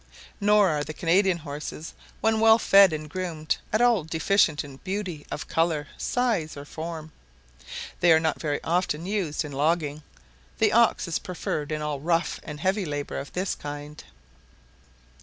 Nor are the Canadian horses, when well fed and groomed, at all deficient in beauty of colour, size, or form. They are not very often used in logging; the ox is preferred in all rough and heavy labour of this kind.